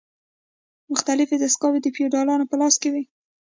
مختلفې دستګاوې د فیوډالانو په لاس کې وې.